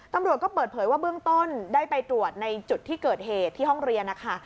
ตำรวจก็เปิดเผยว่าเบื้องต้นได้ไปตรวจในจุดที่เกิดเหตุที่ห้องเรียนนะคะ